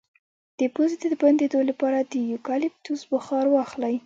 د پوزې د بندیدو لپاره د یوکالیپټوس بخار واخلئ